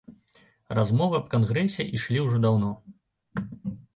Размовы аб кангрэсе ішлі ўжо даўно.